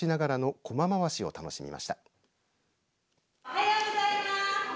おはようございます。